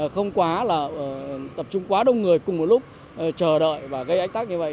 không quá là tập trung quá đông người cùng một lúc chờ đợi và gây ách tắc như vậy